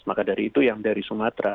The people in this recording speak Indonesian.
maka dari itu yang dari sumatera